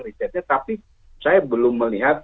risetnya tapi saya belum melihat